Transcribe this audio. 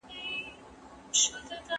لا لرمه څو خبري اورېدو ته که څوک تم سي